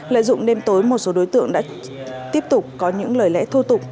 lợi dụng đêm tối một số đối tượng đã tiếp tục có những lời lẽ thô tục